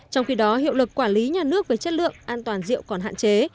trong khi đó hiệu lực quản lý nhà nước về chất lượng an toàn rượu còn hạn chế